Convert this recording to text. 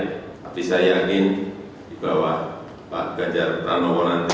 tapi saya yakin di bawah pak ganjar pranowo nanti